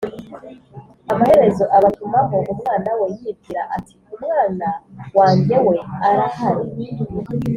Amaherezo abatumaho umwana we yibwira ati umwana wanjye we arahari